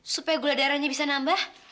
supaya gula darahnya bisa nambah